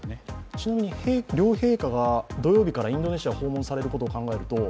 ちなみに両陛下が土曜日からインドネシアを訪問されることを考えると？